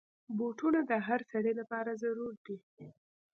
بوټونه د هر سړي لپاره ضرور دي.